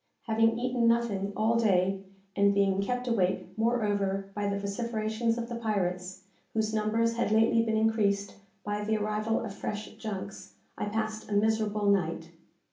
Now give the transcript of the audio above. Having eaten nothing all day, and being kept awake, moreover, by the vociferations of the pirates, whose numbers had lately been increased by the arrival of fresh junks, I passed a miserable night.